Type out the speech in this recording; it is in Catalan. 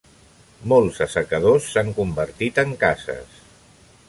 Molts assecadors s'han convertit en cases.